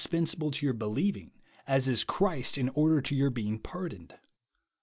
pensable to your believing, as is Christ in order to your being pardoned.